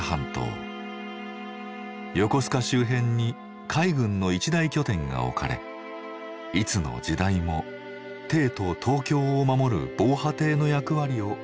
横須賀周辺に海軍の一大拠点が置かれいつの時代も帝都・東京を守る防波堤の役割を担ってきました。